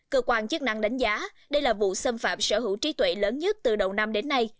cơ quan chức năng đánh giá đây là vụ xâm phạm sở hữu trí tuệ lớn nhất từ đầu năm đến nay